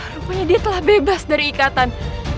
rupanya dia telah bebas dari ikatan